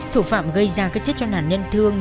thủ phạm gây ra các chết cho nạn nhân thương